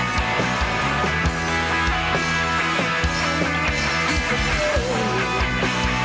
mama aku disini